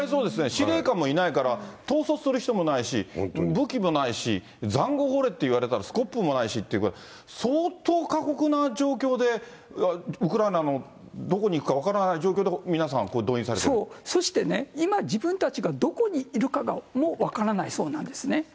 司令官もいないから、統率する人もいないし、武器もないし、ざんごう掘れって言われたらスコップもないしって、これ、相当過酷な状況で、ウクライナのどこにいくか分からない状況で、皆さん、動員されてそう、そしてね、今、自分たちがどこにいるかも分からないそうなんですね。